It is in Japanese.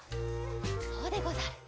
そうでござる。